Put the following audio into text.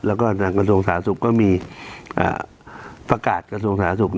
แล้วก็กระทรวงสาธุกรรมก็มีฝากาดกระทรวงสาธุกรรม